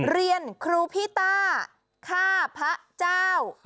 เรียนครูพิต้าฆ่าพระเจ้า